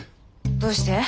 どうして？